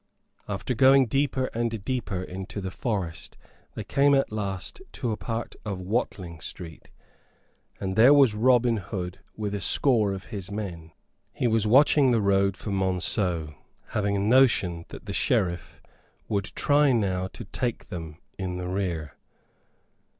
After going deeper and deeper into the forest they came at last to a part of Watling Street, and there was Robin Hood with a score of his men. He was watching the road for Monceux, having a notion that the Sheriff would try now to take them in the rear.